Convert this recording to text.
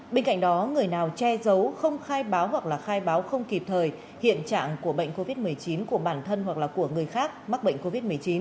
bên cạnh đó người nào che giấu không khai báo hoặc khai báo không kịp thời hiện trạng của bệnh covid một mươi chín của bản thân hoặc là của người khác mắc bệnh covid một mươi chín